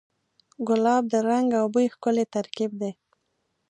ګلاب د رنګ او بوی ښکلی ترکیب دی.